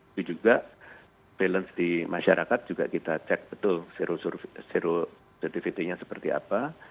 itu juga balance di masyarakat juga kita cek betul zero jativity nya seperti apa